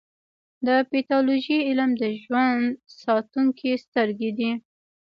د پیتالوژي علم د ژوند ساتونکې سترګې دي.